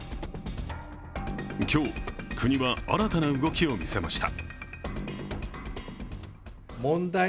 今日、国は新たな動きを見せました